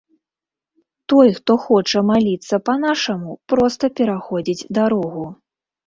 Той, хто хоча маліцца па-нашаму, проста пераходзіць дарогу.